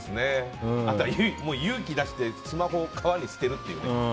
あとは、勇気を出してスマホを川に捨てるっていうね。